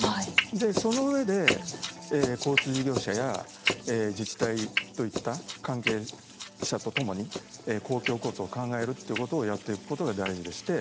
その上で、交通事業者や自治体といった関係者とともに公共交通を考えるということをやっていくことが大事でして。